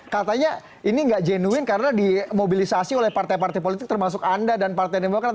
katanya ini nggak jenuin karena dimobilisasi oleh partai partai politik termasuk anda dan partai demokrat